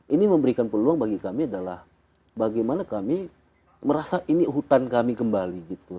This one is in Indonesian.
ini memberikan peluang bagi kami adalah bagaimana kami merasa ini hutan kami kembali gitu